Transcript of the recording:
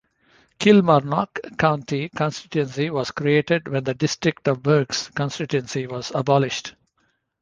Kilmarnock county constituency was created when the district of burghs constituency was abolished.